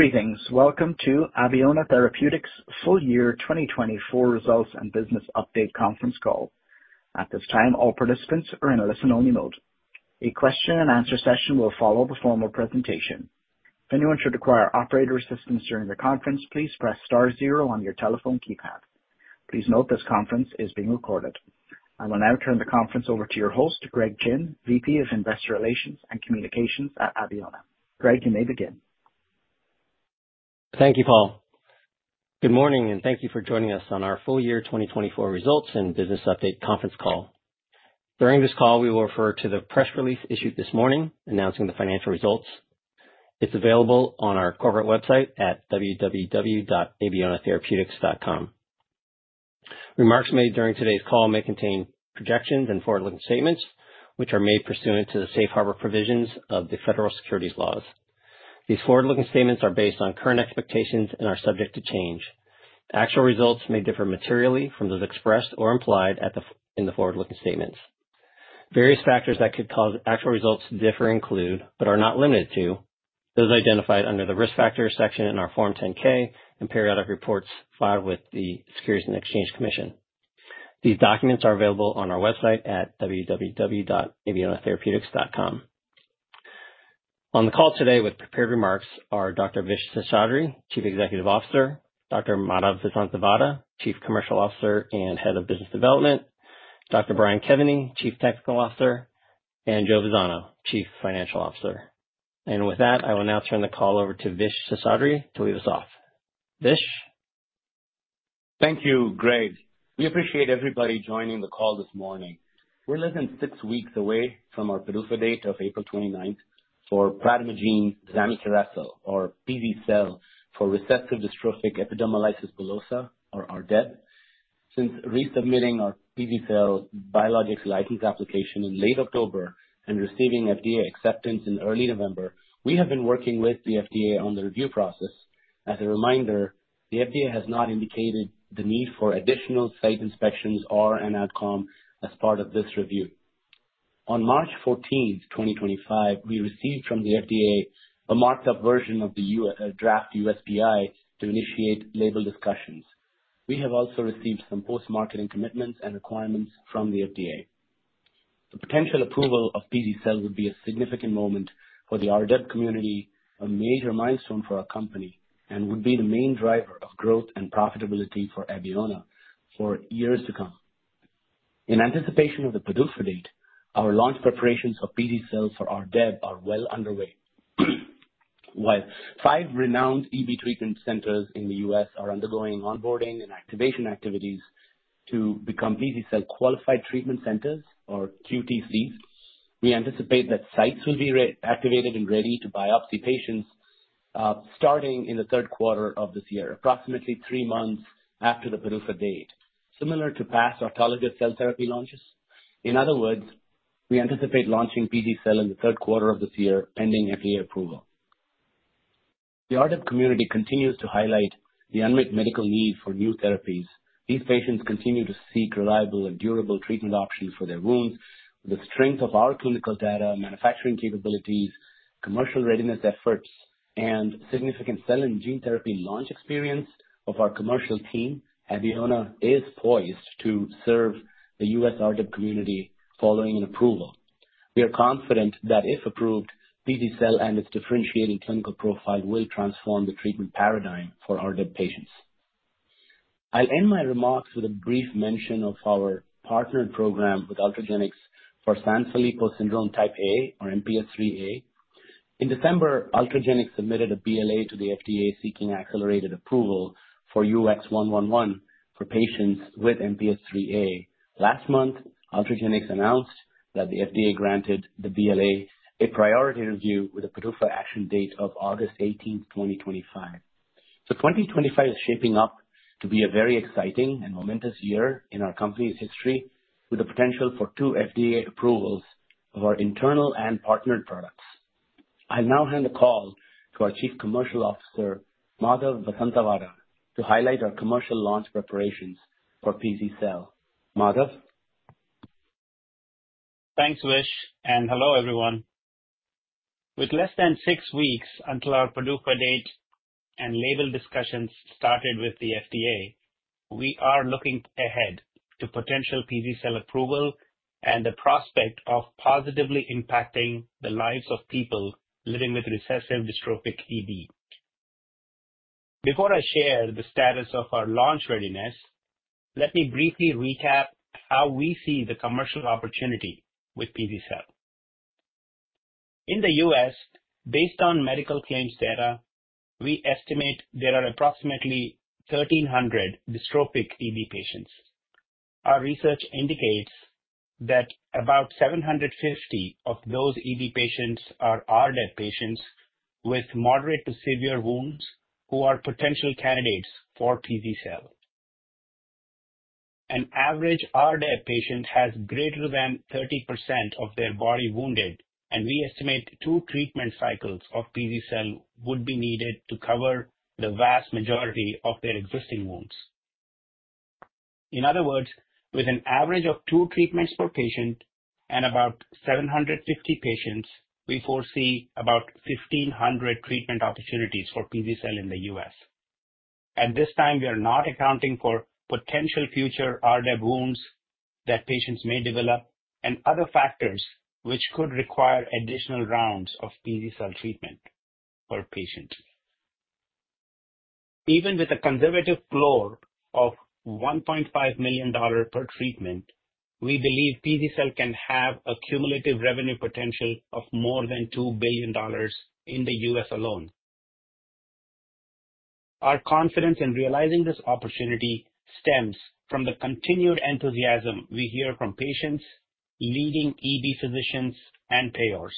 Greetings. Welcome to Abeona Therapeutics' full-year 2024 results and business update conference call. At this time, all participants are in a listen-only mode. A question-and-answer session will follow the formal presentation. If anyone should require operator assistance during the conference, please press star zero on your telephone keypad. Please note this conference is being recorded. I will now turn the conference over to your host, Greg Gin, VP of Investor Relations and Communications at Abeona. Greg, you may begin. Thank you, Paul. Good morning, and thank you for joining us on our full-year 2024 results and business update conference call. During this call, we will refer to the press release issued this morning announcing the financial results. It is available on our corporate website at www.abeonatherapeutics.com. Remarks made during today's call may contain projections and forward-looking statements, which are made pursuant to the safe harbor provisions of the federal securities laws. These forward-looking statements are based on current expectations and are subject to change. Actual results may differ materially from those expressed or implied in the forward-looking statements. Various factors that could cause actual results to differ include, but are not limited to, those identified under the risk factors section in our Form 10-K and periodic reports filed with the U.S. Securities and Exchange Commission. These documents are available on our website at www.abeonatherapeutics.com. On the call today with prepared remarks are Dr. Vish Seshadri, Chief Executive Officer, Dr. Madhav Vasanthavada, Chief Commercial Officer and Head of Business Development, Dr. Brian Kevany, Chief Technical Officer, and Joe Vazzano, Chief Financial Officer. With that, I will now turn the call over to Vish Seshadri to lead us off. Vish. Thank you, Greg. We appreciate everybody joining the call this morning. We're less than six weeks away from our PDUFA date of April 29 for prademagene zamikeracel, or PZ-cel, for recessive dystrophic epidermolysis bullosa, or RDEB. Since resubmitting our PZ-cel Biologics License Application in late October and receiving FDA acceptance in early November, we have been working with the FDA on the review process. As a reminder, the FDA has not indicated the need for additional site inspections or an outcome as part of this review. On March 14, 2025, we received from the FDA a marked-up version of the draft USPI to initiate label discussions. We have also received some post-marketing commitments and requirements from the FDA. The potential approval of PZ-cel would be a significant moment for the RDEB community, a major milestone for our company, and would be the main driver of growth and profitability for Abeona for years to come. In anticipation of the PDUFA date, our launch preparations for PZ-cel for RDEB are well underway. While five renowned EB treatment centers in the U.S. are undergoing onboarding and activation activities to become PZ-cel qualified treatment centers, or QTCs, we anticipate that sites will be activated and ready to biopsy patients starting in the third quarter of this year, approximately three months after the PDUFA date, similar to past autologous cell therapy launches. In other words, we anticipate launching PZ-cel in the third quarter of this year, pending FDA approval. The RDEB community continues to highlight the unmet medical need for new therapies. These patients continue to seek reliable and durable treatment options for their wounds. The strength of our clinical data, manufacturing capabilities, commercial readiness efforts, and significant cell and gene therapy launch experience of our commercial team, Abeona is poised to serve the US RDEB community following an approval. We are confident that if approved, PZ-cel and its differentiating clinical profile will transform the treatment paradigm for RDEB patients. I'll end my remarks with a brief mention of our partnered program with Ultragenyx for Sanfilippo Syndrome Type A, or MPS IIIA. In December, Ultragenyx submitted a BLA to the FDA seeking accelerated approval for UX111 for patients with MPS IIIA. Last month, Ultragenyx announced that the FDA granted the BLA a priority review with a PDUFA action date of August 18, 2025. 2025 is shaping up to be a very exciting and momentous year in our company's history, with the potential for two FDA approvals of our internal and partnered products. I'll now hand the call to our Chief Commercial Officer, Madhav Vasanthavada, to highlight our commercial launch preparations for PZ-cel. Madhav. Thanks, Vish. Hello, everyone. With less than six weeks until our PDUFA date and label discussions started with the FDA, we are looking ahead to potential PZ-cel approval and the prospect of positively impacting the lives of people living with recessive dystrophic EB. Before I share the status of our launch readiness, let me briefly recap how we see the commercial opportunity with PZ-cel. In the U.S., based on medical claims data, we estimate there are approximately 1,300 dystrophic EB patients. Our research indicates that about 750 of those EB patients are RDEB patients with moderate to severe wounds who are potential candidates for PZ-cel. An average RDEB patient has greater than 30% of their body wounded, and we estimate two treatment cycles of PZ-cel would be needed to cover the vast majority of their existing wounds. In other words, with an average of two treatments per patient and about 750 patients, we foresee about 1,500 treatment opportunities for PZ-cel in the U.S. At this time, we are not accounting for potential future RDEB wounds that patients may develop and other factors which could require additional rounds of PZ-cel treatment per patient. Even with a conservative floor of $1.5 million per treatment, we believe PZ-cel can have a cumulative revenue potential of more than $2 billion in the U.S. alone. Our confidence in realizing this opportunity stems from the continued enthusiasm we hear from patients, leading EB physicians, and payers.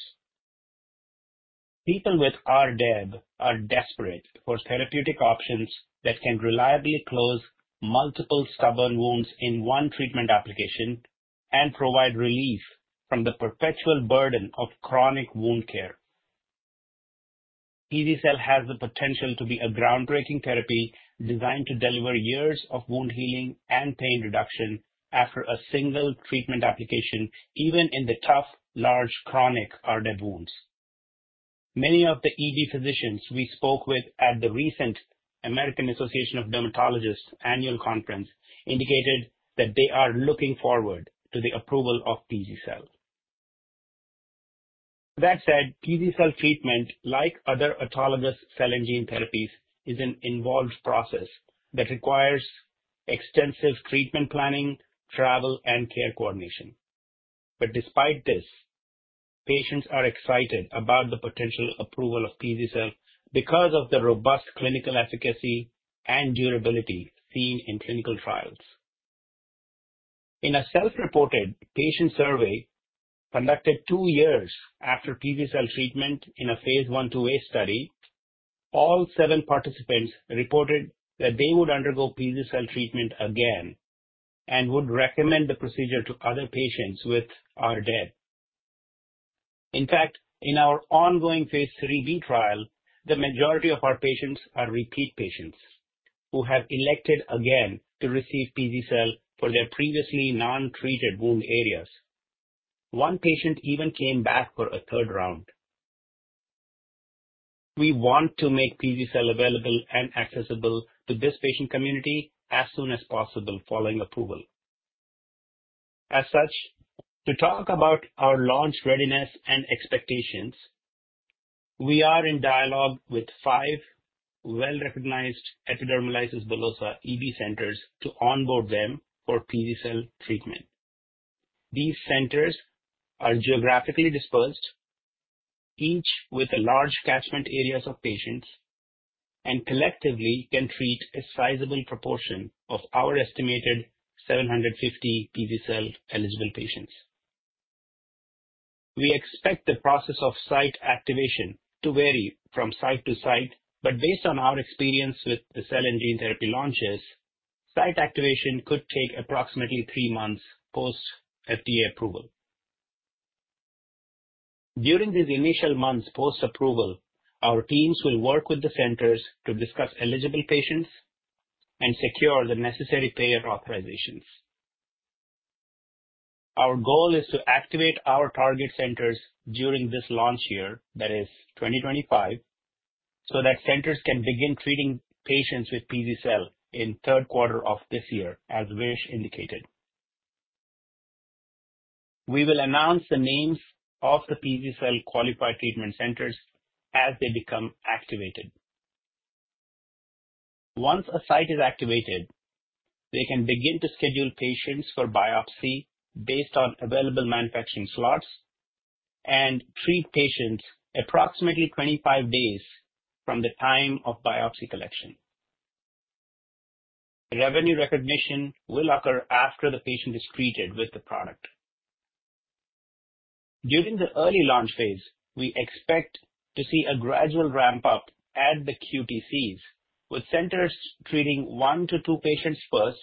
People with RDEB are desperate for therapeutic options that can reliably close multiple stubborn wounds in one treatment application and provide relief from the perpetual burden of chronic wound care. PZ-cel has the potential to be a groundbreaking therapy designed to deliver years of wound healing and pain reduction after a single treatment application, even in the tough, large, chronic RDEB wounds. Many of the ED physicians we spoke with at the recent American Association of Dermatologists annual conference indicated that they are looking forward to the approval of PZ-cel. That said, PZ-cel treatment, like other autologous cell and gene therapies, is an involved process that requires extensive treatment planning, travel, and care coordination. Despite this, patients are excited about the potential approval of PZ-cel because of the robust clinical efficacy and durability seen in clinical trials. In a self-reported patient survey conducted two years after PZ-cel treatment in a phase I/IIa study, all seven participants reported that they would undergo PZ-cel treatment again and would recommend the procedure to other patients with RDEB. In fact, in our ongoing phase IIIb trial, the majority of our patients are repeat patients who have elected again to receive PZ-cel for their previously non-treated wound areas. One patient even came back for a third round. We want to make PZ-cel available and accessible to this patient community as soon as possible following approval. As such, to talk about our launch readiness and expectations, we are in dialogue with five well-recognized epidermolysis bullosa centers to onboard them for PZ-cel treatment. These centers are geographically dispersed, each with large catchment areas of patients, and collectively can treat a sizable proportion of our estimated 750 PZ-cel eligible patients. We expect the process of site activation to vary from site to site, but based on our experience with the cell and gene therapy launches, site activation could take approximately three months post-FDA approval. During these initial months post-approval, our teams will work with the centers to discuss eligible patients and secure the necessary payer authorizations. Our goal is to activate our target centers during this launch year, that is, 2025, so that centers can begin treating patients with PZ-cel in the third quarter of this year, as Vish indicated. We will announce the names of the PZ-cel qualified treatment centers as they become activated. Once a site is activated, they can begin to schedule patients for biopsy based on available manufacturing slots and treat patients approximately 25 days from the time of biopsy collection. Revenue recognition will occur after the patient is treated with the product. During the early launch phase, we expect to see a gradual ramp-up at the QTCs, with centers treating one to two patients first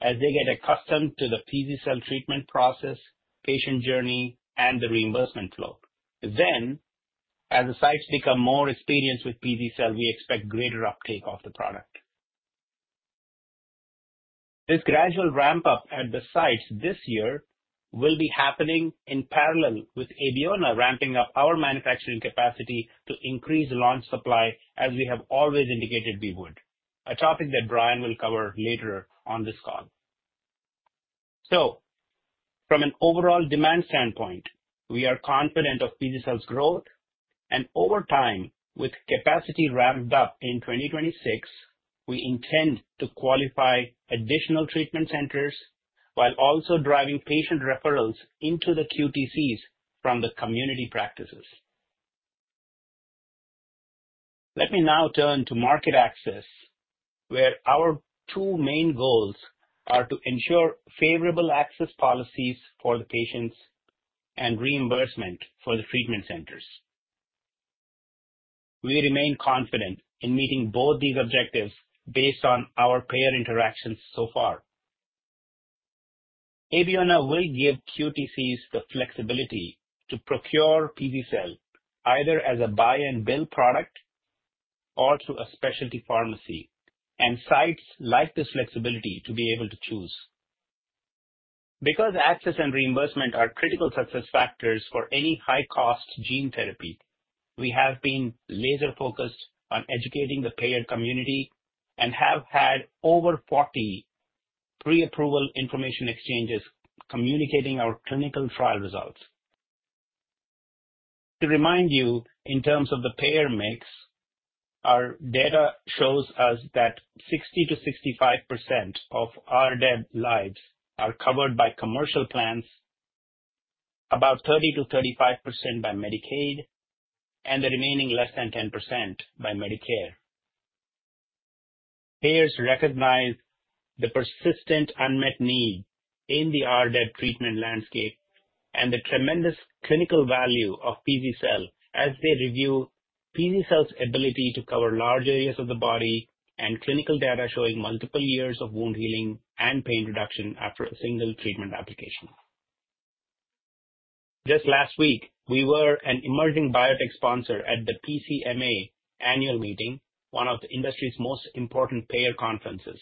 as they get accustomed to the PZ-cel treatment process, patient journey, and the reimbursement flow. As the sites become more experienced with PZ-cel, we expect greater uptake of the product. This gradual ramp-up at the sites this year will be happening in parallel with Abeona ramping up our manufacturing capacity to increase launch supply, as we have always indicated we would, a topic that Brian will cover later on this call. From an overall demand standpoint, we are confident of PZ-cel's growth. Over time, with capacity ramped up in 2026, we intend to qualify additional treatment centers while also driving patient referrals into the QTCs from the community practices. Let me now turn to market access, where our two main goals are to ensure favorable access policies for the patients and reimbursement for the treatment centers. We remain confident in meeting both these objectives based on our payer interactions so far. Abeona will give QTCs the flexibility to procure PZ-cel either as a buy-and-build product or through a specialty pharmacy, and sites like this flexibility to be able to choose. Because access and reimbursement are critical success factors for any high-cost gene therapy, we have been laser-focused on educating the payer community and have had over 40 pre-approval information exchanges communicating our clinical trial results. To remind you, in terms of the payer mix, our data shows us that 60%-65% of RDEB lives are covered by commercial plans, about 30%-35% by Medicaid, and the remaining less than 10% by Medicare. Payers recognize the persistent unmet need in the RDEB treatment landscape and the tremendous clinical value of PZ-cel as they review PZ-cel's ability to cover large areas of the body and clinical data showing multiple years of wound healing and pain reduction after a single treatment application. Just last week, we were an emerging biotech sponsor at the PCMA annual meeting, one of the industry's most important payer conferences,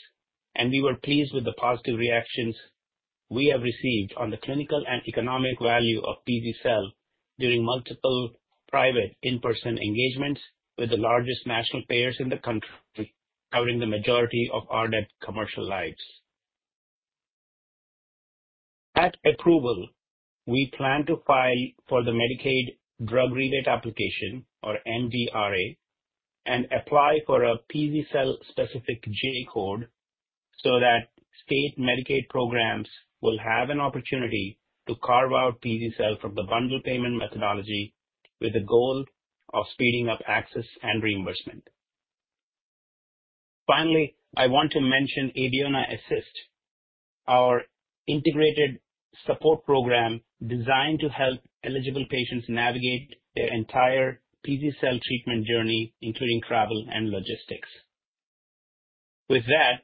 and we were pleased with the positive reactions we have received on the clinical and economic value of PZ-cel during multiple private in-person engagements with the largest national payers in the country, covering the majority of RDEB commercial lives. At approval, we plan to file for the Medicaid drug rebate application, or MDRA, and apply for a PZ-cel-specific J code so that state Medicaid programs will have an opportunity to carve out PZ-cel from the bundle payment methodology with the goal of speeding up access and reimbursement. Finally, I want to mention Abeona Assist, our integrated support program designed to help eligible patients navigate their entire PZ-cel treatment journey, including travel and logistics. With that,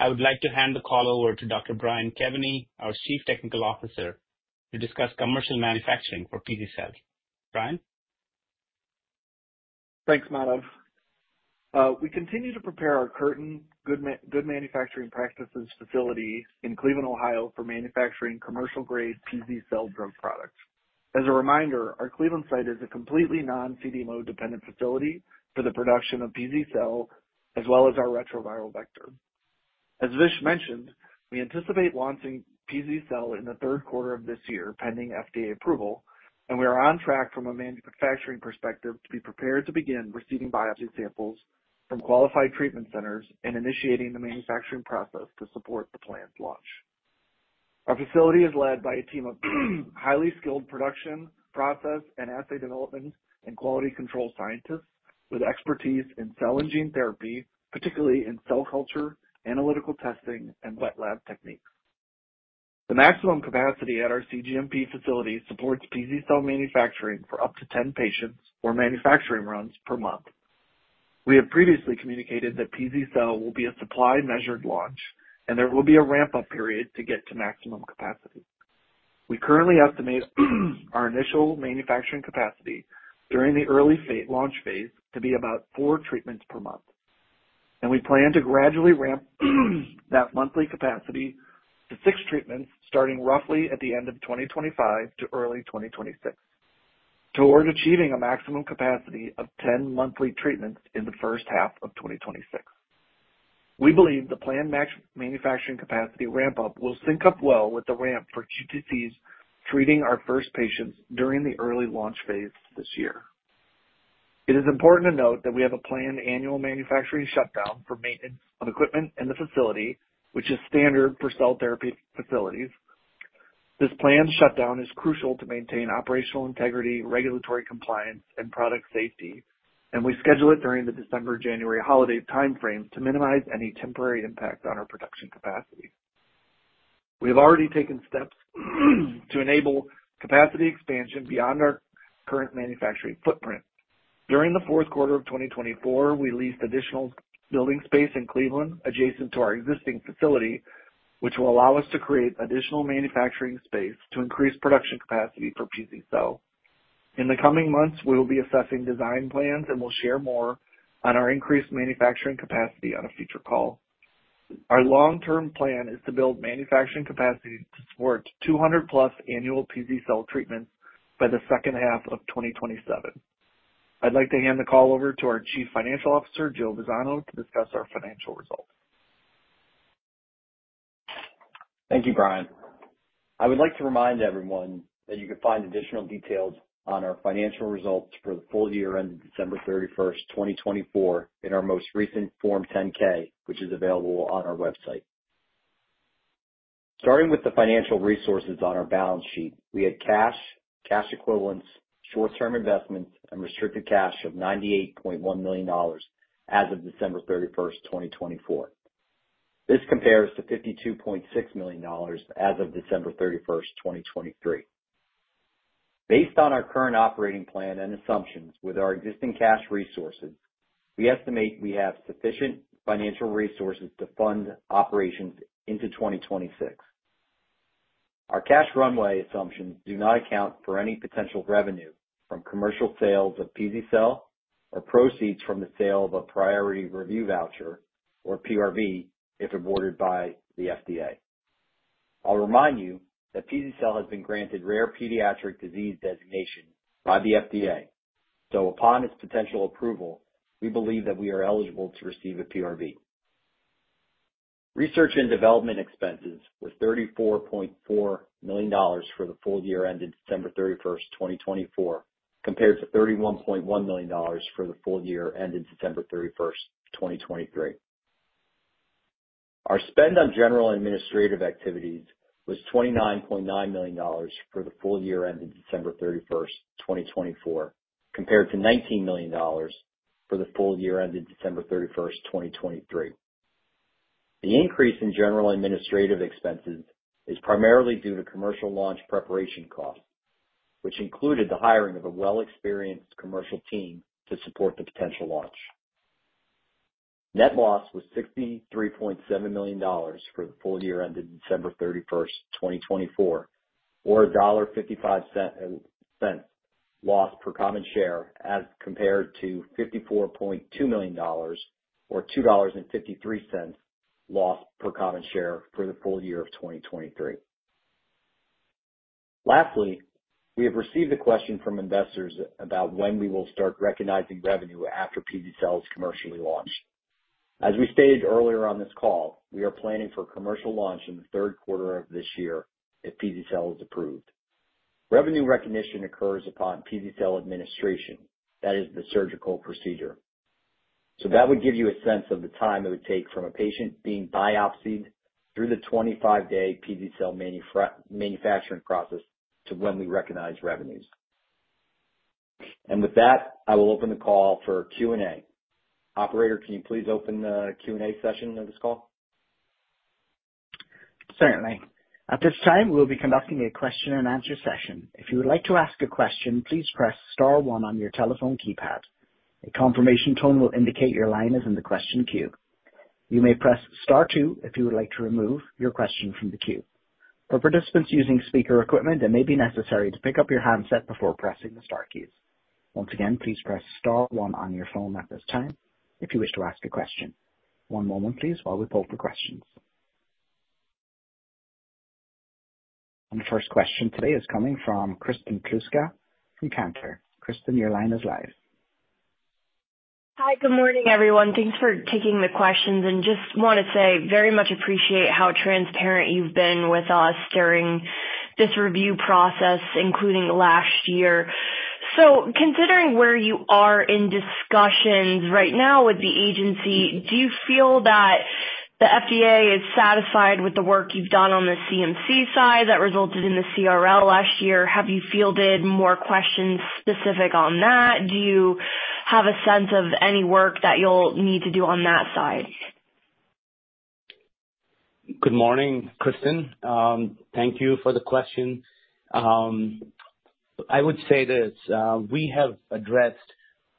I would like to hand the call over to Dr. Brian Kevany, our Chief Technical Officer, to discuss commercial manufacturing for PZ-cel. Brian? Thanks, Madhav. We continue to prepare our current Good Manufacturing Practice facility in Cleveland, Ohio, for manufacturing commercial-grade PZ-cel drug products. As a reminder, our Cleveland site is a completely non-CDMO-dependent facility for the production of PZ-cel, as well as our retroviral vector. As Vish mentioned, we anticipate launching PZ-cel in the third quarter of this year, pending FDA approval, and we are on track from a manufacturing perspective to be prepared to begin receiving biopsy samples from qualified treatment centers and initiating the manufacturing process to support the planned launch. Our facility is led by a team of highly skilled production, process, and assay development and quality control scientists with expertise in cell and gene therapy, particularly in cell culture, analytical testing, and wet lab techniques. The maximum capacity at our CGMP facility supports PZ-cel manufacturing for up to 10 patients or manufacturing runs per month. We have previously communicated that PZ-cel will be a supply-measured launch, and there will be a ramp-up period to get to maximum capacity. We currently estimate our initial manufacturing capacity during the early launch phase to be about four treatments per month, and we plan to gradually ramp that monthly capacity to six treatments starting roughly at the end of 2025 to early 2026, toward achieving a maximum capacity of 10 monthly treatments in the first half of 2026. We believe the planned manufacturing capacity ramp-up will sync up well with the ramp for QTCs treating our first patients during the early launch phase this year. It is important to note that we have a planned annual manufacturing shutdown for maintenance of equipment in the facility, which is standard for cell therapy facilities. This planned shutdown is crucial to maintain operational integrity, regulatory compliance, and product safety, and we schedule it during the December-January holiday timeframe to minimize any temporary impact on our production capacity. We have already taken steps to enable capacity expansion beyond our current manufacturing footprint. During the fourth quarter of 2024, we leased additional building space in Cleveland adjacent to our existing facility, which will allow us to create additional manufacturing space to increase production capacity for PZ-cel. In the coming months, we will be assessing design plans and will share more on our increased manufacturing capacity on a future call. Our long-term plan is to build manufacturing capacity to support 200-plus annual PZ-cel treatments by the second half of 2027. I'd like to hand the call over to our Chief Financial Officer, Joe Vazzano, to discuss our financial results. Thank you, Brian. I would like to remind everyone that you can find additional details on our financial results for the full year ended December 31, 2024, in our most recent Form 10-K, which is available on our website. Starting with the financial resources on our balance sheet, we had cash, cash equivalents, short-term investments, and restricted cash of $98.1 million as of December 31, 2024. This compares to $52.6 million as of December 31, 2023. Based on our current operating plan and assumptions with our existing cash resources, we estimate we have sufficient financial resources to fund operations into 2026. Our cash runway assumptions do not account for any potential revenue from commercial sales of PZ-cel or proceeds from the sale of a priority review voucher or PRV if awarded by the FDA. I'll remind you that PZ-cel has been granted rare pediatric disease designation by the FDA, so upon its potential approval, we believe that we are eligible to receive a PRV. Research and development expenses were $34.4 million for the full year ended December 31, 2024, compared to $31.1 million for the full year ended December 31, 2023. Our spend on general administrative activities was $29.9 million for the full year ended December 31, 2024, compared to $19 million for the full year ended December 31, 2023. The increase in general administrative expenses is primarily due to commercial launch preparation costs, which included the hiring of a well-experienced commercial team to support the potential launch. Net loss was $63.7 million for the full year ended December 31, 2024, or $1.55 lost per common share, as compared to $54.2 million or $2.53 lost per common share for the full year of 2023. Lastly, we have received a question from investors about when we will start recognizing revenue after PZ-cel is commercially launched. As we stated earlier on this call, we are planning for a commercial launch in the third quarter of this year if PZ-cel is approved. Revenue recognition occurs upon PZ-cel administration, that is, the surgical procedure. That would give you a sense of the time it would take from a patient being biopsied through the 25-day PZ-cel manufacturing process to when we recognize revenues. With that, I will open the call for Q&A. Operator, can you please open the Q&A session of this call? Certainly. At this time, we'll be conducting a question-and-answer session. If you would like to ask a question, please press Star 1 on your telephone keypad. A confirmation tone will indicate your line is in the question queue. You may press Star 2 if you would like to remove your question from the queue. For participants using speaker equipment, it may be necessary to pick up your handset before pressing the Star keys. Once again, please press Star 1 on your phone at this time if you wish to ask a question. One moment, please, while we pull up the questions. The first question today is coming from Kristin Kluska from Cantor. Kristin, your line is live. Hi, good morning, everyone. Thanks for taking the questions. I just want to say very much appreciate how transparent you've been with us during this review process, including last year. Considering where you are in discussions right now with the agency, do you feel that the FDA is satisfied with the work you've done on the CMC side that resulted in the CRL last year? Have you fielded more questions specific on that? Do you have a sense of any work that you'll need to do on that side? Good morning, Kristin. Thank you for the question. I would say this. We have addressed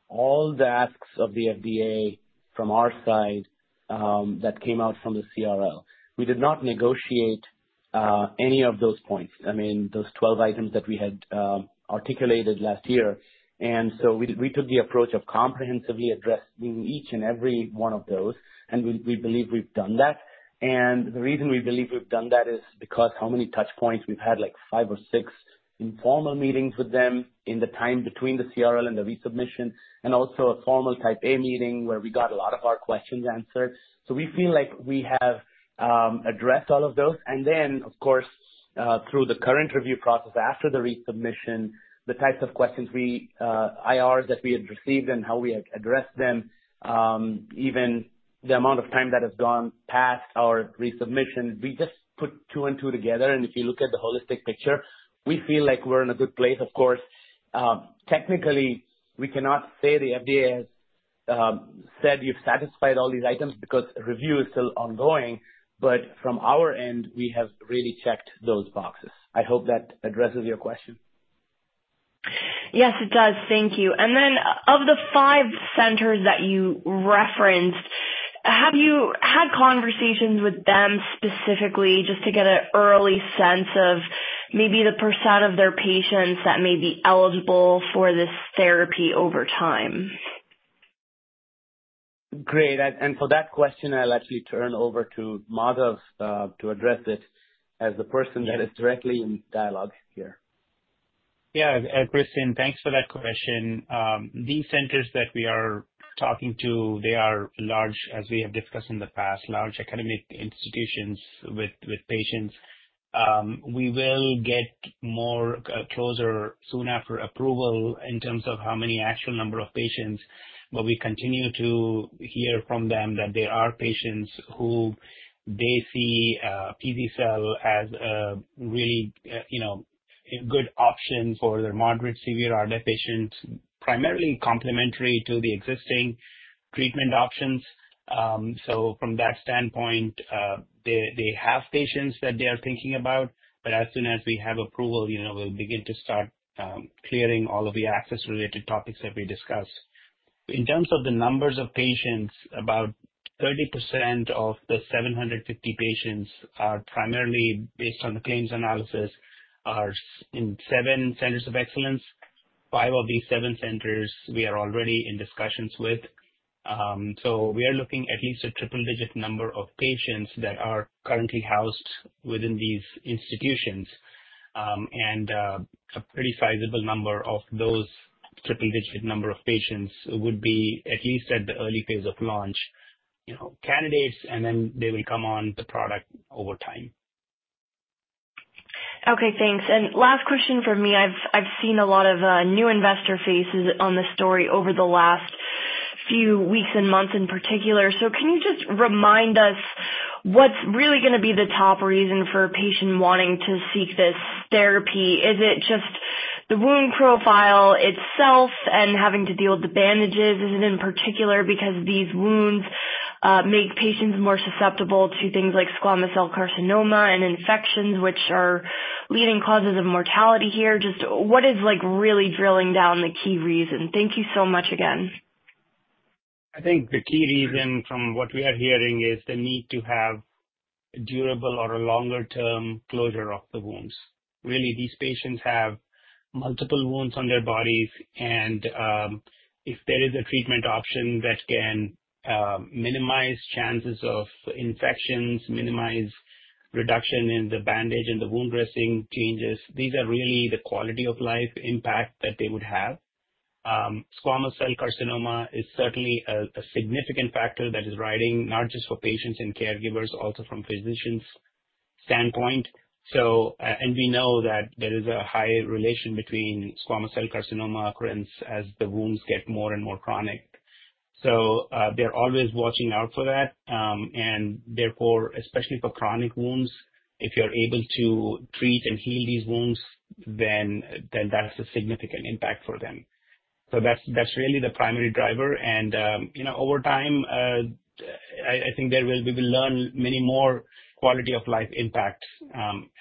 all the asks of the FDA from our side that came out from the CRL. I mean, those 12 items that we had articulated last year. We did not negotiate any of those points. We took the approach of comprehensively addressing each and every one of those, and we believe we've done that. The reason we believe we've done that is because how many touch points we've had, like five or six informal meetings with them in the time between the CRL and the resubmission, and also a formal Type A meeting where we got a lot of our questions answered. We feel like we have addressed all of those. Of course, through the current review process after the resubmission, the types of questions, IRs that we had received, and how we had addressed them, even the amount of time that has gone past our resubmission, we just put two and two together. If you look at the holistic picture, we feel like we're in a good place. Of course, technically, we cannot say the FDA has said you've satisfied all these items because review is still ongoing, but from our end, we have really checked those boxes. I hope that addresses your question. Yes, it does. Thank you. Of the five centers that you referenced, have you had conversations with them specifically just to get an early sense of maybe the % of their patients that may be eligible for this therapy over time? Great. For that question, I'll actually turn over to Madhav to address it as the person that is directly in dialogue here. Yeah. Kristin, thanks for that question. These centers that we are talking to, they are large, as we have discussed in the past, large academic institutions with patients. We will get more closer soon after approval in terms of how many actual number of patients, but we continue to hear from them that there are patients who they see PZ-cel as a really good option for their moderate-severe RDEB patients, primarily complementary to the existing treatment options. From that standpoint, they have patients that they are thinking about, but as soon as we have approval, we'll begin to start clearing all of the access-related topics that we discussed. In terms of the numbers of patients, about 30% of the 750 patients, primarily based on the claims analysis, are in seven centers of excellence. Five of these seven centers we are already in discussions with. We are looking at least a triple-digit number of patients that are currently housed within these institutions, and a pretty sizable number of those triple-digit number of patients would be at least at the early phase of launch candidates, and then they will come on the product over time. Okay. Thanks. Last question for me. I've seen a lot of new investor faces on this story over the last few weeks and months in particular. Can you just remind us what's really going to be the top reason for a patient wanting to seek this therapy? Is it just the wound profile itself and having to deal with the bandages? Is it in particular because these wounds make patients more susceptible to things like squamous cell carcinoma and infections, which are leading causes of mortality here? What is really drilling down the key reason? Thank you so much again. I think the key reason from what we are hearing is the need to have a durable or a longer-term closure of the wounds. Really, these patients have multiple wounds on their bodies, and if there is a treatment option that can minimize chances of infections, minimize reduction in the bandage and the wound dressing changes, these are really the quality of life impact that they would have. Squamous cell carcinoma is certainly a significant factor that is riding not just for patients and caregivers, also from a physician's standpoint. We know that there is a high relation between squamous cell carcinoma occurrence as the wounds get more and more chronic. They are always watching out for that. Therefore, especially for chronic wounds, if you're able to treat and heal these wounds, then that's a significant impact for them. That's really the primary driver. Over time, I think we will learn many more quality of life impacts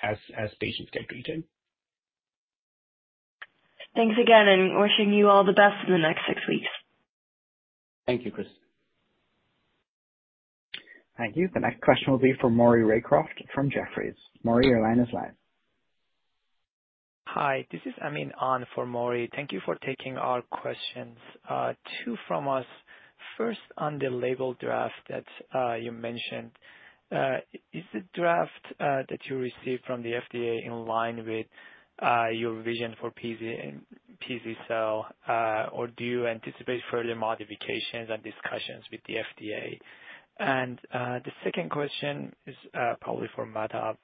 as patients get treated. Thanks again, and wishing you all the best in the next six weeks. Thank you, Kristin. Thank you. The next question will be from Maury Raycroft from Jefferies. Maury, your line is live. Hi. This is Amin for Maury. Thank you for taking our questions. Two from us. First, on the label draft that you mentioned, is the draft that you received from the FDA in line with your vision for PZ-cel, or do you anticipate further modifications and discussions with the FDA? The second question is probably for Madhav.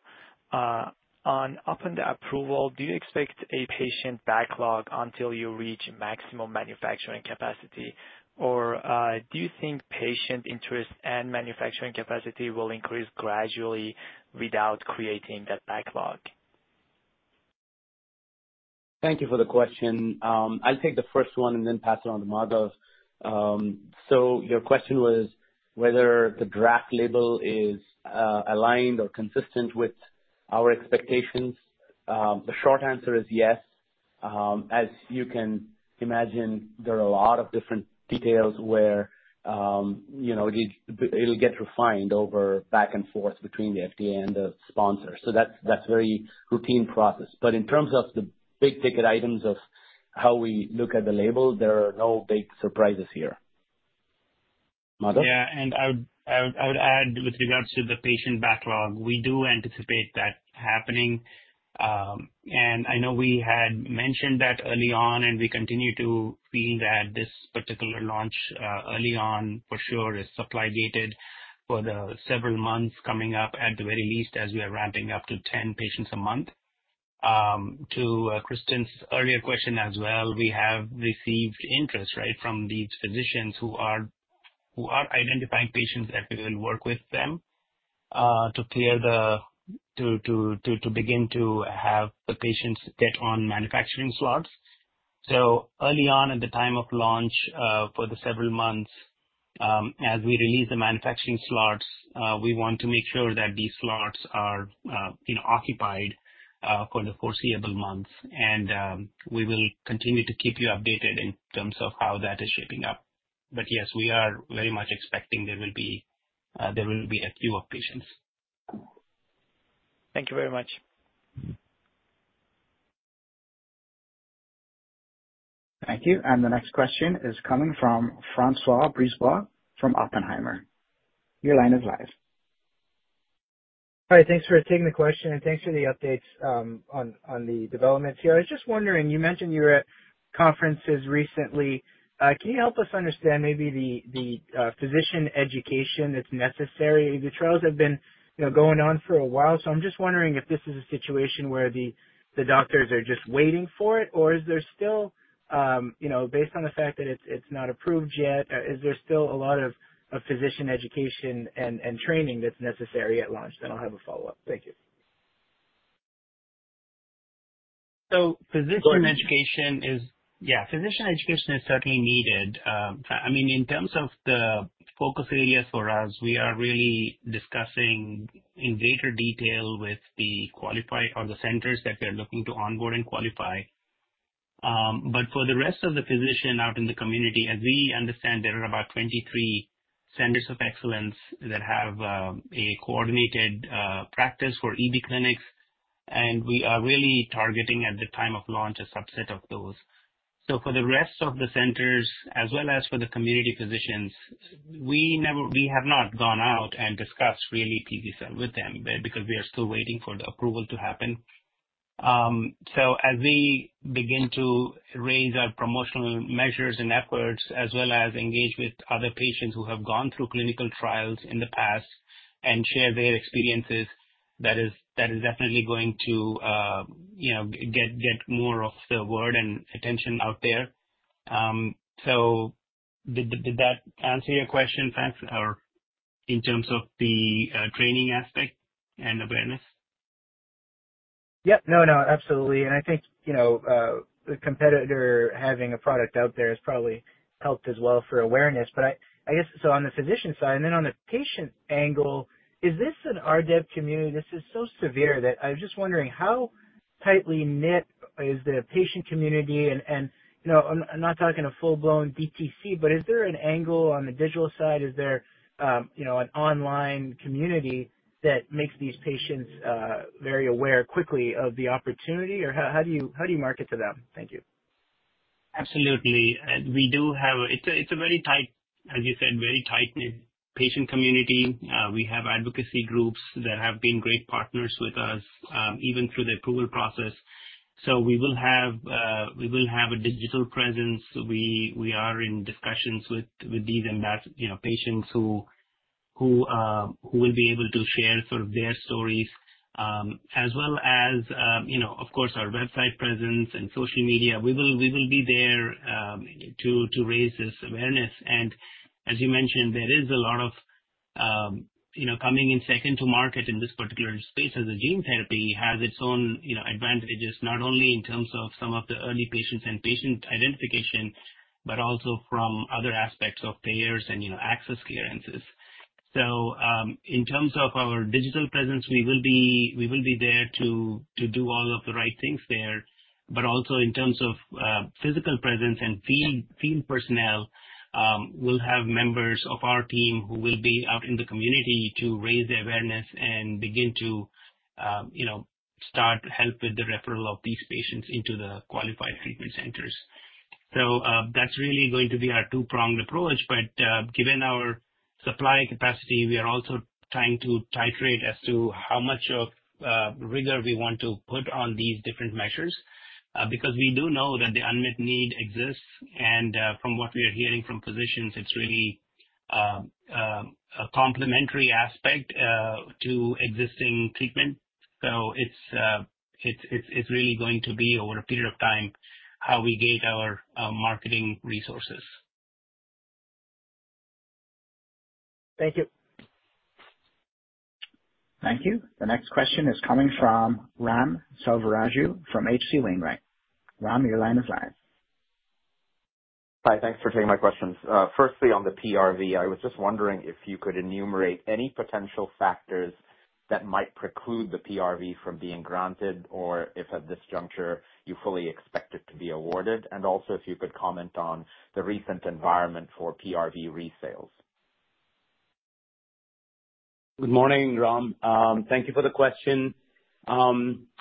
Upon the approval, do you expect a patient backlog until you reach maximum manufacturing capacity, or do you think patient interest and manufacturing capacity will increase gradually without creating that backlog? Thank you for the question. I'll take the first one and then pass it on to Madhav. Your question was whether the draft label is aligned or consistent with our expectations. The short answer is yes. As you can imagine, there are a lot of different details where it'll get refined over back and forth between the FDA and the sponsor. That is a very routine process. In terms of the big-ticket items of how we look at the label, there are no big surprises here. Madhav? Yeah. I would add with regards to the patient backlog, we do anticipate that happening. I know we had mentioned that early on, and we continue to feel that this particular launch early on for sure is supply-gated for the several months coming up, at the very least, as we are ramping up to 10 patients a month. To Kristin's earlier question as well, we have received interest, right, from these physicians who are identifying patients that we will work with them to begin to have the patients get on manufacturing slots. Early on at the time of launch for the several months, as we release the manufacturing slots, we want to make sure that these slots are occupied for the foreseeable months. We will continue to keep you updated in terms of how that is shaping up. Yes, we are very much expecting there will be a queue of patients. Thank you very much. Thank you. The next question is coming from Francois Brisebois from Oppenheimer. Your line is live. Hi. Thanks for taking the question, and thanks for the updates on the developments here. I was just wondering, you mentioned you were at conferences recently. Can you help us understand maybe the physician education that's necessary? The trials have been going on for a while, so I'm just wondering if this is a situation where the doctors are just waiting for it, or is there still, based on the fact that it's not approved yet, is there still a lot of physician education and training that's necessary at launch? I will have a follow-up. Thank you. Physician education is, yeah, physician education is certainly needed. I mean, in terms of the focus areas for us, we are really discussing in greater detail with the centers that we are looking to onboard and qualify. For the rest of the physician out in the community, as we understand, there are about 23 centers of excellence that have a coordinated practice for ED clinics, and we are really targeting at the time of launch a subset of those. For the rest of the centers, as well as for the community physicians, we have not gone out and discussed really PZ-cel with them because we are still waiting for the approval to happen. As we begin to raise our promotional measures and efforts, as well as engage with other patients who have gone through clinical trials in the past and share their experiences, that is definitely going to get more of the word and attention out there. Did that answer your question, Francois? In terms of the training aspect and awareness? Yep. No, no. Absolutely. I think the competitor having a product out there has probably helped as well for awareness. I guess, on the physician side, and then on the patient angle, is this an RDEB community? This is so severe that I'm just wondering how tightly knit is the patient community. I'm not talking a full-blown DTC, but is there an angle on the digital side? Is there an online community that makes these patients very aware quickly of the opportunity? How do you market to them? Thank you. Absolutely. We do have a—it's a very tight, as you said, very tight-knit patient community. We have advocacy groups that have been great partners with us even through the approval process. We will have a digital presence. We are in discussions with these patients who will be able to share sort of their stories, as well as, of course, our website presence and social media. We will be there to raise this awareness. As you mentioned, there is a lot of coming in second to market in this particular space as a gene therapy has its own advantages, not only in terms of some of the early patients and patient identification, but also from other aspects of payers and access clearances. In terms of our digital presence, we will be there to do all of the right things there. Also in terms of physical presence and field personnel, we'll have members of our team who will be out in the community to raise the awareness and begin to start help with the referral of these patients into the qualified treatment centers. That is really going to be our two-pronged approach. Given our supply capacity, we are also trying to titrate as to how much of rigor we want to put on these different measures because we do know that the unmet need exists. From what we are hearing from physicians, it's really a complementary aspect to existing treatment. It is really going to be over a period of time how we gate our marketing resources. Thank you. Thank you. The next question is coming from Ram Selvaraju from H.C. Wainwright. Ram, your line is live. Hi. Thanks for taking my questions. Firstly, on the PRV, I was just wondering if you could enumerate any potential factors that might preclude the PRV from being granted, or if at this juncture you fully expect it to be awarded, and also if you could comment on the recent environment for PRV resales. Good morning, Ram. Thank you for the question.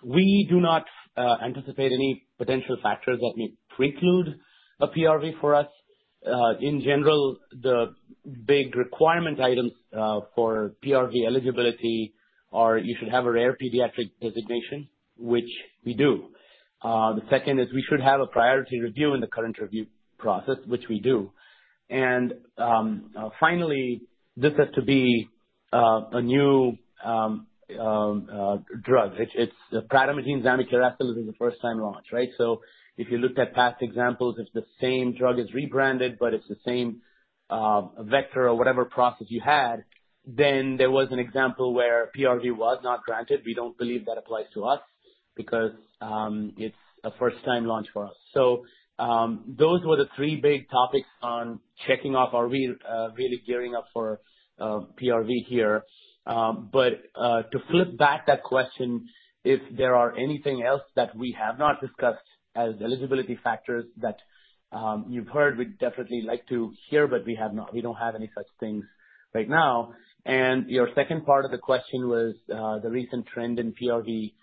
We do not anticipate any potential factors that may preclude a PRV for us. In general, the big requirement items for PRV eligibility are you should have a rare pediatric designation, which we do. The second is we should have a priority review in the current review process, which we do. Finally, this has to be a new drug. It's prademagene zamikeracel; this is a first-time launch, right? If you looked at past examples, if the same drug is rebranded, but it's the same vector or whatever process you had, then there was an example where PRV was not granted. We do not believe that applies to us because it's a first-time launch for us. Those were the three big topics on checking off: are we really gearing up for PRV here? To flip back that question, if there are anything else that we have not discussed as eligibility factors that you've heard, we'd definitely like to hear, but we don't have any such things right now. Your second part of the question was the recent trend in PRV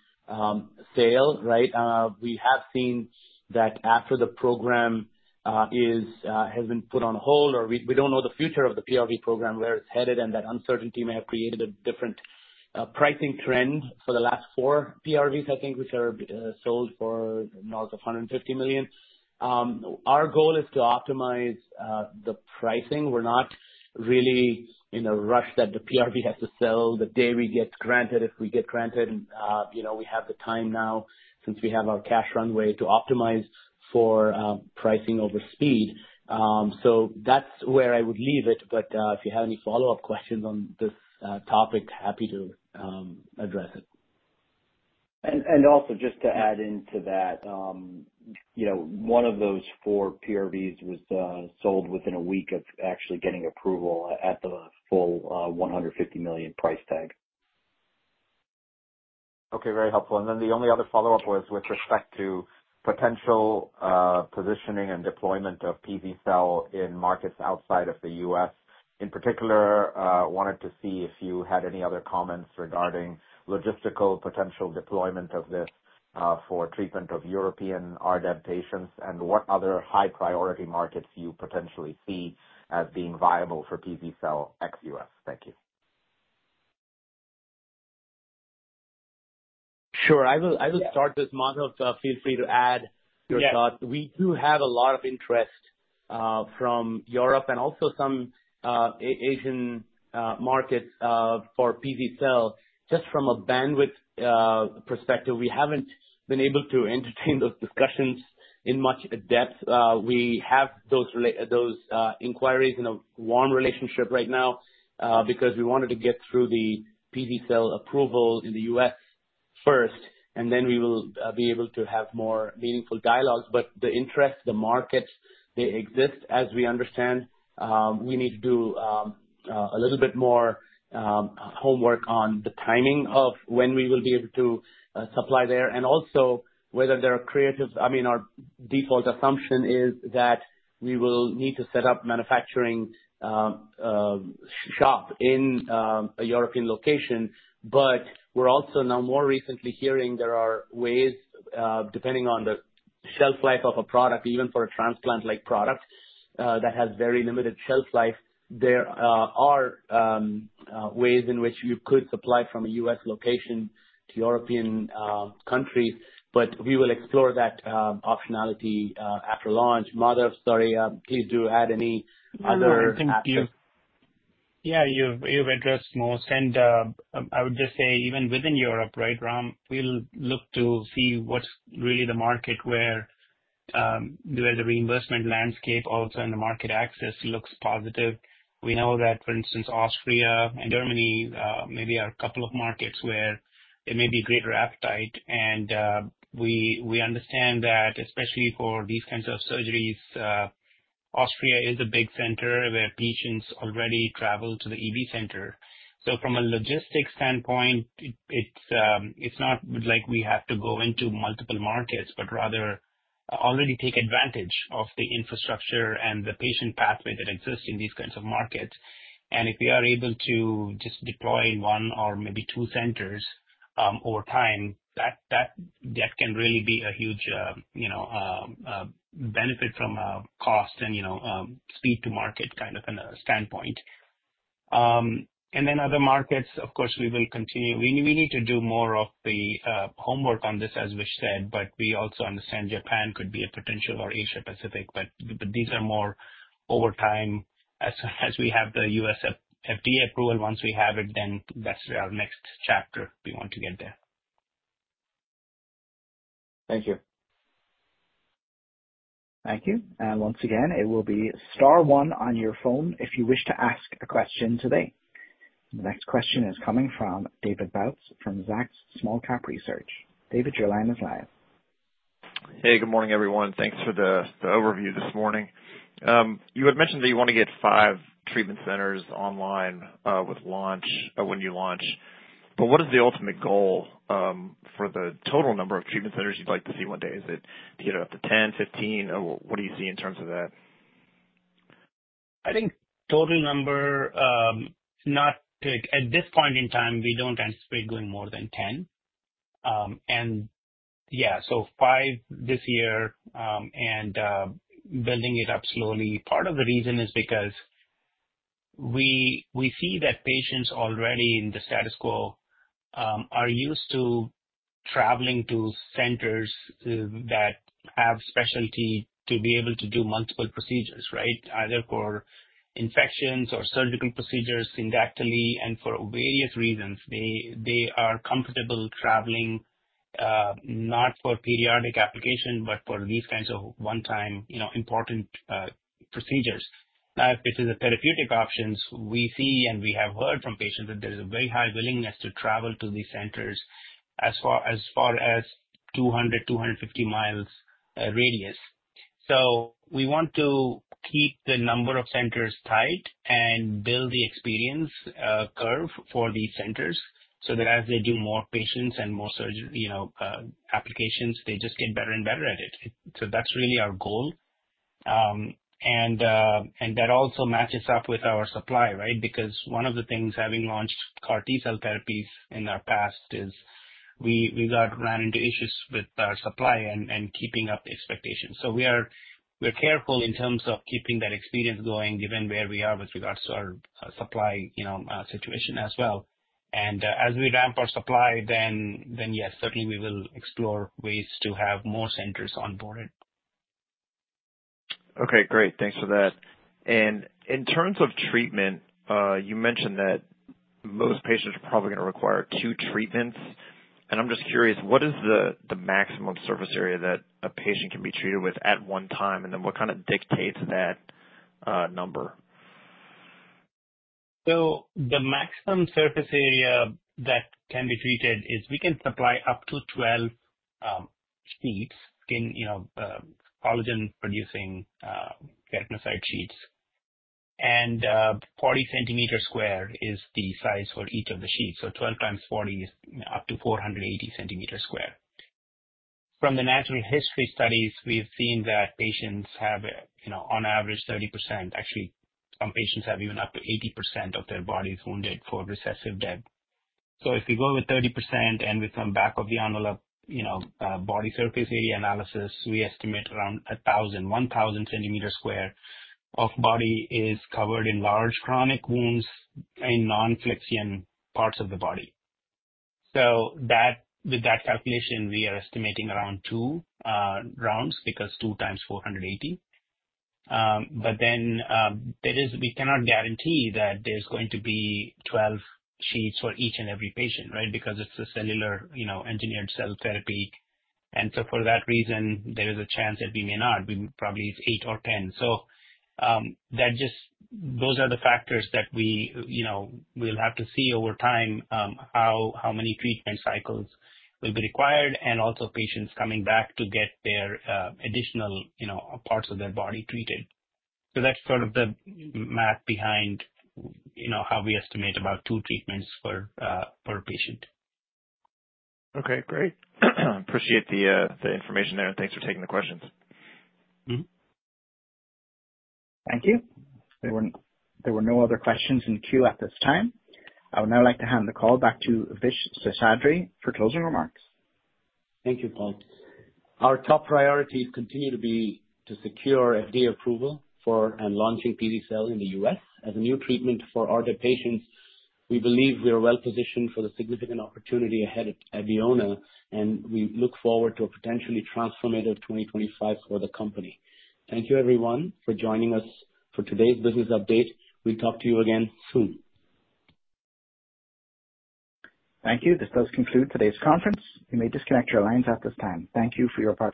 sale, right? We have seen that after the program has been put on hold, or we don't know the future of the PRV program, where it's headed, and that uncertainty may have created a different pricing trend for the last four PRVs, I think, which are sold for north of $150 million. Our goal is to optimize the pricing. We're not really in a rush that the PRV has to sell the day we get granted. If we get granted, we have the time now, since we have our cash runway, to optimize for pricing over speed. That is where I would leave it. If you have any follow-up questions on this topic, happy to address it. Also, just to add into that, one of those four PRVs was sold within a week of actually getting approval at the full $150 million price tag. Okay. Very helpful. The only other follow-up was with respect to potential positioning and deployment of PZ-cel in markets outside of the U.S. In particular, wanted to see if you had any other comments regarding logistical potential deployment of this for treatment of European RDEB patients and what other high-priority markets you potentially see as being viable for PZ-cel ex U.S. Thank you. Sure. I will start with Madhav. Feel free to add your thoughts. We do have a lot of interest from Europe and also some Asian markets for PZ-cel. Just from a bandwidth perspective, we haven't been able to entertain those discussions in much depth. We have those inquiries in a warm relationship right now because we wanted to get through the PZ-cel approval in the U.S. first, and then we will be able to have more meaningful dialogues. The interest, the markets, they exist, as we understand. We need to do a little bit more homework on the timing of when we will be able to supply there and also whether there are creative—I mean, our default assumption is that we will need to set up a manufacturing shop in a European location. We are also now more recently hearing there are ways, depending on the shelf life of a product, even for a transplant-like product that has very limited shelf life, there are ways in which you could supply from a US location to European countries. We will explore that optionality after launch. Madhav, sorry, please do add any other things. Yeah. You've addressed most. I would just say, even within Europe, right, Ram, we'll look to see what's really the market where the reimbursement landscape also and the market access looks positive. We know that, for instance, Austria and Germany maybe are a couple of markets where there may be greater appetite. We understand that, especially for these kinds of surgeries, Austria is a big center where patients already travel to the ED center. From a logistics standpoint, it's not like we have to go into multiple markets, but rather already take advantage of the infrastructure and the patient pathway that exists in these kinds of markets. If we are able to just deploy in one or maybe two centers over time, that can really be a huge benefit from a cost and speed-to-market kind of standpoint. Other markets, of course, we will continue. We need to do more of the homework on this, as we said, but we also understand Japan could be a potential or Asia-Pacific. These are more over time as we have the US FDA approval. Once we have it, that's our next chapter we want to get there. Thank you. Thank you. Once again, it will be star one on your phone if you wish to ask a question today. The next question is coming from David Bautz from Zacks Small Cap Research. David, your line is live. Hey, good morning, everyone. Thanks for the overview this morning. You had mentioned that you want to get five treatment centers online when you launch. What is the ultimate goal for the total number of treatment centers you'd like to see one day? Is it to get it up to 10, 15? What do you see in terms of that? I think total number, not at this point in time, we don't anticipate going more than 10. Yeah, five this year and building it up slowly. Part of the reason is because we see that patients already in the status quo are used to traveling to centers that have specialty to be able to do multiple procedures, right? Either for infections or surgical procedures inductively and for various reasons. They are comfortable traveling not for periodic application, but for these kinds of one-time important procedures. Now, if it is a therapeutic option, we see and we have heard from patients that there is a very high willingness to travel to these centers as far as 200-250 mi radius. We want to keep the number of centers tight and build the experience curve for these centers so that as they do more patients and more surgery applications, they just get better and better at it. That is really our goal. That also matches up with our supply, right? Because one of the things having launched CAR T-cell therapies in our past is we ran into issues with our supply and keeping up expectations. We are careful in terms of keeping that experience going given where we are with regards to our supply situation as well. As we ramp our supply, then yes, certainly we will explore ways to have more centers onboarded. Okay. Great. Thanks for that. In terms of treatment, you mentioned that most patients are probably going to require two treatments. I'm just curious, what is the maximum surface area that a patient can be treated with at one time? What kind of dictates that number? The maximum surface area that can be treated is we can supply up to 12 sheets, collagen-producing keratinocyte sheets. Forty centimeters square is the size for each of the sheets. Twelve times 40 is up to 480 centimeters square. From the natural history studies, we've seen that patients have, on average, 30%—actually, some patients have even up to 80% of their bodies wounded for recessive dystrophic epidermolysis bullosa. If you go with 30% and with some back-of-the-envelope body surface area analysis, we estimate around 1,000, 1,000 centimeters square of body is covered in large chronic wounds in non-flaking parts of the body. With that calculation, we are estimating around two rounds because 2 times 480. We cannot guarantee that there's going to be 12 sheets for each and every patient, right? Because it's a cellular engineered cell therapy. For that reason, there is a chance that we may not. We probably have eight or ten. Those are the factors that we will have to see over time, how many treatment cycles will be required and also patients coming back to get their additional parts of their body treated. That is sort of the math behind how we estimate about two treatments per patient. Okay. Great. Appreciate the information there. Thanks for taking the questions. Thank you. There were no other questions in queue at this time. I would now like to hand the call back to Vish Seshadri for closing remarks. Thank you, Paul. Our top priorities continue to be to secure FDA approval for and launching PZ-cel in the US. As a new treatment for RDEB patients, we believe we are well positioned for the significant opportunity ahead at Abeona, and we look forward to a potentially transformative 2025 for the company. Thank you, everyone, for joining us for today's business update. We'll talk to you again soon. Thank you. This does conclude today's conference. You may disconnect your lines at this time. Thank you for your help.